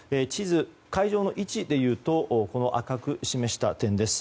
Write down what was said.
海上の位置でいうと赤く示した点です。